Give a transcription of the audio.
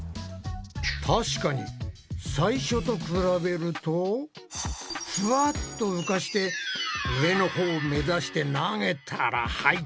確かに最初と比べるとふわっと浮かして上のほうを目指して投げたら入った。